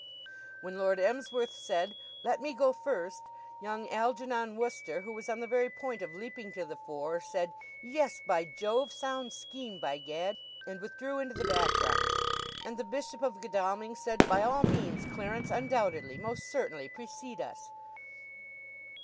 When Lord Emsworth said, "Let me go first," young Algernon Wooster, who was on the very point of leaping to the fore, said, "Yes, by Jove! Sound scheme, by Gad!" and withdrew into the background; and the Bishop of Godalming said: "By all means, Clarence undoubtedly; most certainly precede us."